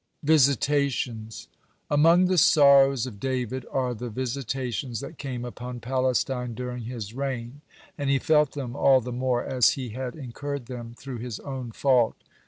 (110) VISITATIONS Among the sorrows of David are the visitations that came upon Palestine during his reign, and he felt them all the more as he had incurred them through his own fault.